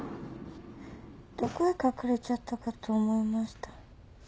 どこへ隠れちゃったかと思いました。